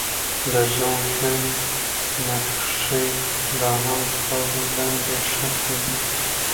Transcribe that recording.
د زوړ جنګ نښې لا هم خاورو لاندې ښخي دي.